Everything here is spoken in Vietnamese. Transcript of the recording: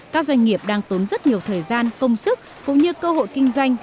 các doanh nghiệp đang tốn rất nhiều thời gian công sức cũng như cơ hội kinh doanh